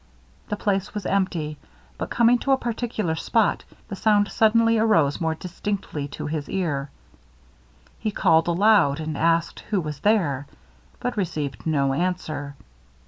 The place was empty; but coming to a particular spot, the sound suddenly arose more distinctly to his ear. He called aloud, and asked who was there; but received no answer.